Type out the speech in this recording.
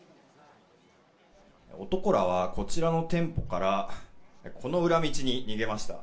男らは、こちらの店舗からこの裏道に逃げました。